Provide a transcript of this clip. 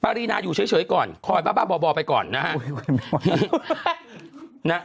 รีนาอยู่เฉยก่อนคอยบ้าบ่อไปก่อนนะฮะ